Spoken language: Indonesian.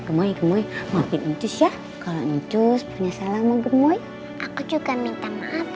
kemai kemai mungkin nuntus ya kalau nuntus punya salah mau gemuk aku juga minta maaf